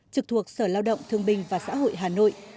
trực thuộc sở lao động thương bình và xã hội hà nội